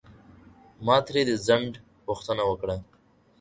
ما ترې د ځنډ پوښتنه وکړه.